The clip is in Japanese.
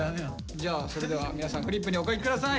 じゃあそれでは皆さんフリップにお書き下さい。